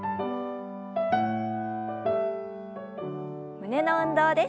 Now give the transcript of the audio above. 胸の運動です。